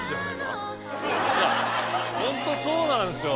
いやホントそうなんですよ。